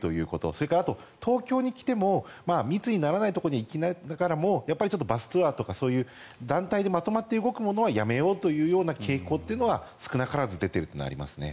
それから、あとは東京に来ても密にならないところに行きながらもバスツアーとか団体でまとまって動くものはやめようという傾向というのは少なからず出ているというのはありますね。